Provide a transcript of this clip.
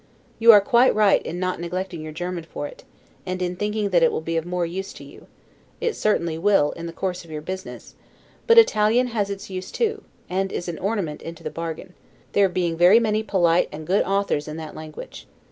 You are quite right in not neglecting your German for it, and in thinking that it will be of more use to you; it certainly will, in the course of your business; but Italian has its use too, and is an ornament into the bargain; there being many very polite and good authors in that language.